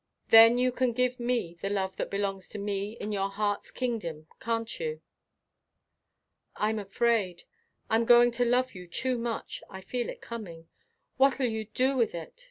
Then you can give me the love that belongs to me in your heart's kingdom, can't you?" "I'm afraid I'm going to love you too much I feel it coming. What'll you do with it?